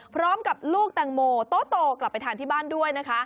พร้อมกับลูกแตงโมโตกลับไปทานที่บ้านด้วยนะคะ